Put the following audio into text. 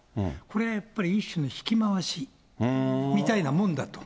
これやっぱり、一種の引き回しみたいなもんだと。